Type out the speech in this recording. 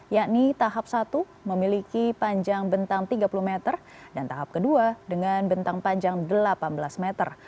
yakni tahap satu memiliki panjang bentang tiga puluh meter dan tahap kedua dengan bentang panjang delapan belas meter